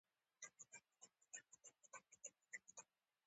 ولی څه قرآن وهلی یی چی داسی ژر یی تاییدوی